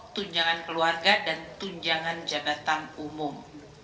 tunjangan keluarga dan tunjangan jabatan umum